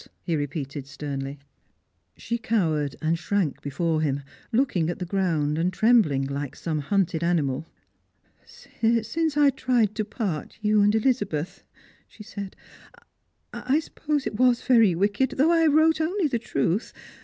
" he repeated sternly. She cowered and shrank before him, looking at the ground, and trembling like some hunted animal. " Since I tried to part you and Elizabeth," she said, " I suppose it was very wicked, though I wrote only the truth.